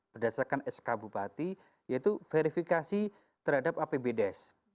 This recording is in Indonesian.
berdasarkan sk bupati yaitu verifikasi terhadap apbdes